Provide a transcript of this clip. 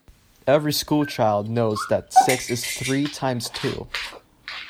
Every school child knows that six is three times two